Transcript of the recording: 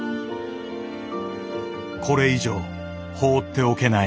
これ以上放っておけない。